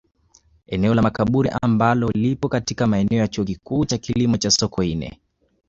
Eneo la Makaburi ambalo lipo katika maeneo ya Chuo Kikuu cha Kilimo cha Sokoine